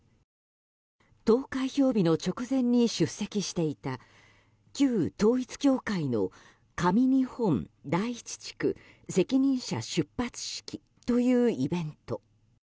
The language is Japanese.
投開票日の直前に出席していた旧統一教会の神日本第１地区出発式というイベント。